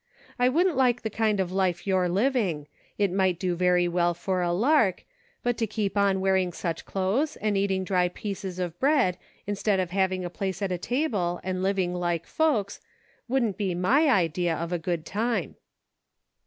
I wouldn't like the kind of life you're living ; it might do very well for a lark ; but to keep on wearing such clothes and eating dry pieces ot bread, instead of having a place at a table, and liv ing like folks, wouldn't be my idea of a good time."